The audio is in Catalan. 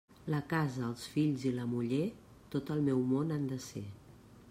La casa, els fills i la muller, tot el meu món han de ser.